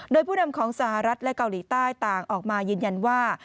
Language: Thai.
โดยผู้นำของสหรัฐและเกาหลีใต้ต่างออกมายืนยันว่า